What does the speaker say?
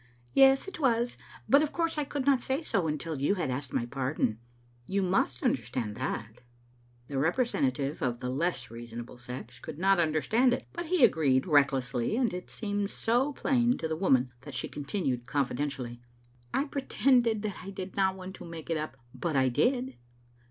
"Yes, it was; but of course I could not say so until you had asked my pardon. You must understand that?" The representative of the less reasonable sex could not understand it, but he agreed recklessly, and it seemed so plain to the woman that she continued con* fidcntially — Digitized by VjOOQ IC fit Approval of tnometu m 1 pretended that I did not want to make it np, but I did."